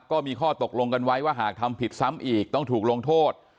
ก็มีข้อตกลงกันไว้ว่าหากทำผิดซ้ำอีกต้องถูกลงโทษ